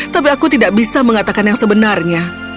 tapi aku tidak bisa mengatakan yang sebenarnya